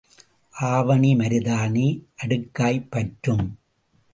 ஆவணி மருதாணி அடுக்காய்ப் பற்றும்.